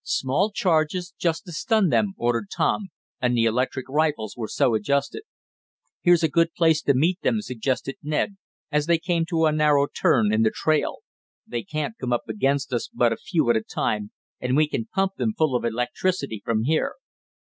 "Small charges, just to stun them!" ordered Tom, and the electric rifles were so adjusted. "Here's a good place to meet them," suggested Ned, as they came to a narrow turn in the trail. "They can't come against us but a few at a time, and we can pump them full of electricity from here."